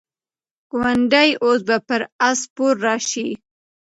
ګوندي اوس به پر آس سپور راشي.